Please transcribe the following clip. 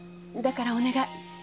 だからお願い！